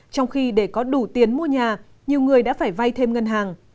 trong khi để có đủ tiền mua nhà nhiều người đã phải vay thêm ngân hàng